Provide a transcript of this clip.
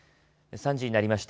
３時になりました。